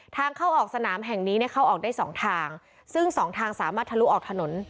ทางเข้าออกสนามแห่งนี้เนี่ยเข้าออกได้สองทางซึ่งสองทางสามารถทะลุออกถนน